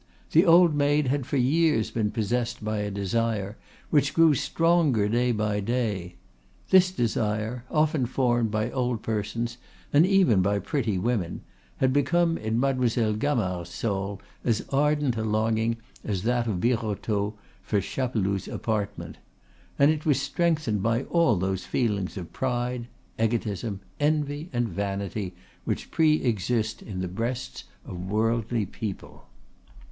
The old maid had for years been possessed by a desire which grew stronger day by day. This desire, often formed by old persons and even by pretty women, had become in Mademoiselle Gamard's soul as ardent a longing as that of Birotteau for Chapeloud's apartment; and it was strengthened by all those feelings of pride, egotism, envy, and vanity which pre exist in the breasts of worldly people.